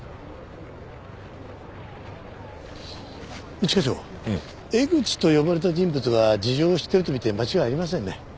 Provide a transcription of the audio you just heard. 一課長エグチと呼ばれた人物が事情を知っているとみて間違いありませんね。